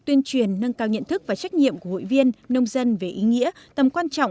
tuyên truyền nâng cao nhận thức và trách nhiệm của hội viên nông dân về ý nghĩa tầm quan trọng